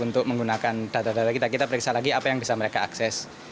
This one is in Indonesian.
untuk menggunakan data data kita kita periksa lagi apa yang bisa mereka akses